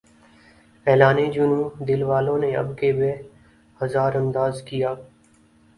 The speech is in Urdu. اعلان جنوں دل والوں نے اب کے بہ ہزار انداز کیا